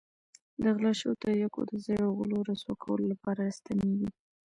د غلا شوو تریاکو د ځای او غلو رسوا کولو لپاره را ستنېږي.